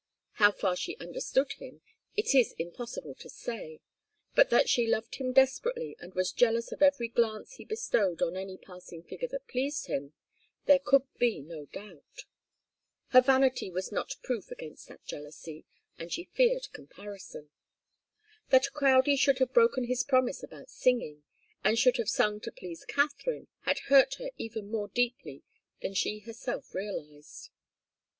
How far she understood him it is impossible to say, but that she loved him desperately and was jealous of every glance he bestowed on any passing figure that pleased him, there could be no doubt. Her vanity was not proof against that jealousy, and she feared comparison. That Crowdie should have broken his promise about singing, and should have sung to please Katharine, had hurt her even more deeply than she herself realized.